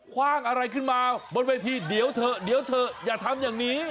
คว้างอะไรขึ้นมาบนเวทีเดี๋ยวเถอะอย่าทำอย่างนี้